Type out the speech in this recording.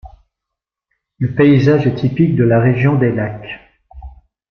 Le paysage est typique de la région des lacs.